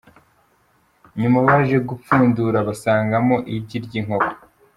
Nyuma baje gupfundura basangamo igi ry’inkoko.